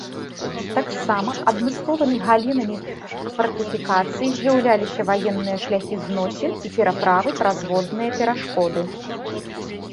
Таксама адмысловымі галінамі фартыфікацыі з'яўляліся ваенныя шляхі зносін і пераправы праз водныя перашкоды.